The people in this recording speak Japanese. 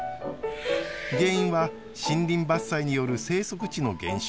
原因は森林伐採による生息地の減少。